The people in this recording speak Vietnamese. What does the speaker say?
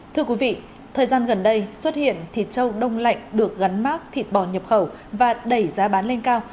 thưa quý vị thời gian gần đây xuất hiện thịt trâu đông lạnh được gắn mát thịt bò nhập khẩu và đẩy giá bán lên cao